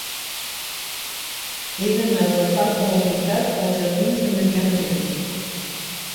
He d'anar del parc de la Unitat als jardins de Marià Manent.